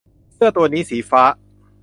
เสื้อตัวนี้สีฟ้า